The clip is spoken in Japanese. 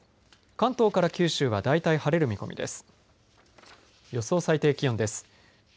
関東から九州はだいたい晴れる見込みです。